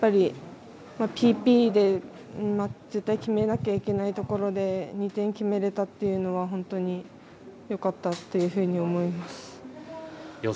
ＰＰで絶対決めなきゃいけないところで２点決めれたというのは本当によかったというふうに思います。